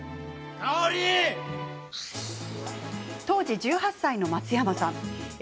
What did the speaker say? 当時１８歳の松山さん。